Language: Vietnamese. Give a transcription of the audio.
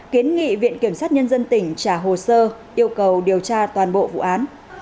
kiến nghị viện kiểm sát nhân dân tp thái bình trả hồ sơ yêu cầu điều tra toàn bộ vụ án